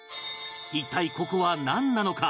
一体ここはなんなのか？